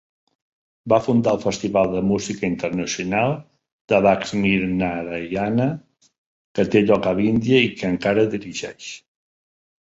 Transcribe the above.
Va fundar el festival de música internacional de Lakshminarayana, que té lloc a l'Índia i que encara dirigeix.